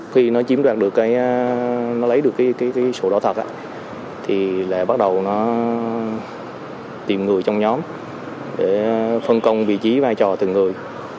khi nó chiếm đoạt được cái nó lấy được cái sổ đỏ thật thì lại bắt đầu nó tìm người trong nhóm để phân công vị trí vai trò từng người